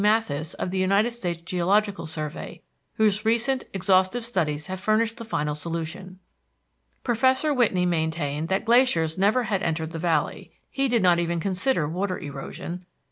Matthes, of the United States Geological Survey, whose recent exhaustive studies have furnished the final solution. Professor Whitney maintained that glaciers never had entered the valley; he did not even consider water erosion.